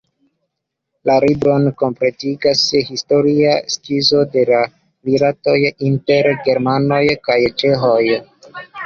La libron kompletigas historia skizo de la rilatoj inter germanoj kaj ĉeĥoj.